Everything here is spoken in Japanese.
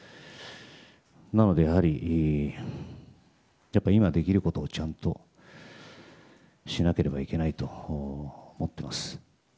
なので、やはり今できることをちゃんとしなければいけないと思っています。